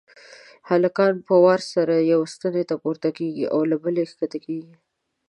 هلکان په وار سره یوې ستنې ته پورته کېږي او له بلې کښته کېږي.